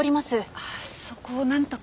そこをなんとか。